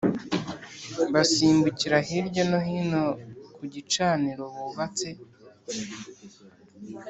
Basimbukira hirya no hino ku gicaniro bubatse